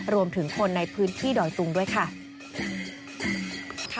รวมถึงคนในพื้นที่ดอยตุงด้วยค่ะ